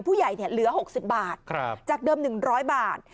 ผู้ใหญ่เนี่ยเหลือหกสิบบาทครับจากเดิมหนึ่งร้อยบาท